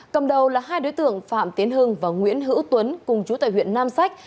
cầm đầu là hai đối tượng phạm tiến hưng và nguyễn hữu tuấn cùng chú tại huyện nam sách